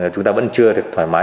chúng ta vẫn chưa thể thoải mái